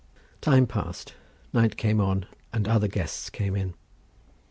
Time passed, night came on, and other guests came in.